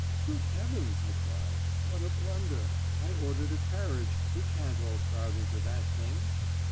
"Good heaven!" I cried, "what a blunder! I ordered a carriage; we can't all crowd into that thing!"